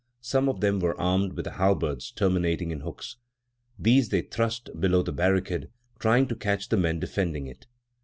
Some of them were armed with halberds terminating in hooks. These they thrust below the barricade, trying to catch the men defending it.